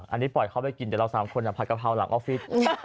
อันนี้ปล่อยเขาไปกินแต่เรา๓คนผัดกะเพราหลังออฟฟิศ